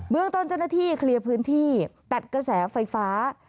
เมืองต้นเจ้าหน้าที่เคลียร์พื้นที่ตัดกระแสไฟฟ้า